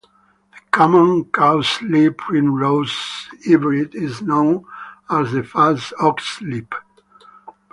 The common cowslip-primrose hybrid is known as the False Oxlip.